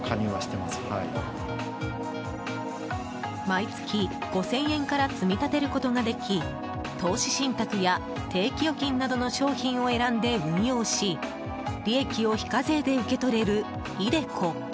毎月５０００円から積み立てることができ投資信託や定期預金などの商品を選んで運用し利益を非課税で受け取れるｉＤｅＣｏ。